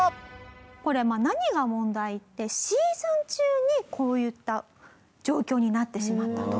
これ何が問題ってシーズン中にこういった状況になってしまったと。